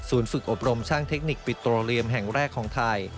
ฝึกอบรมช่างเทคนิคปิโตเรียมแห่งแรกของไทย